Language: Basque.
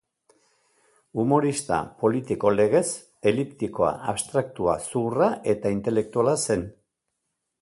Umorista politiko legez eliptikoa, abstraktua, zuhurra eta intelektuala zen.